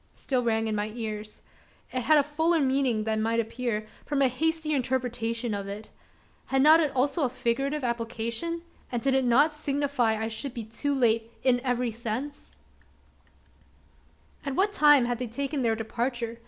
still rang in my ears. It had a fuller meaning than might appear, from a hasty interpretation of it. Had not it also a figurative application? and did it not signify I should be too late in every sense? At what time had they taken their departure?